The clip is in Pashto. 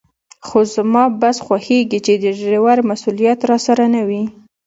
خو زما بس خوښېږي چې د ډریور مسوولیت راسره نه وي.